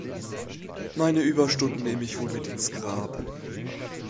Meine Überstunden nehme ich wohl mit ins Grab.